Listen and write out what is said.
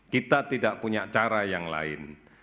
kita tidak punya cara yang lain